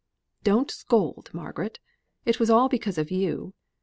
"Don't scold, Margaret. It was all because of you.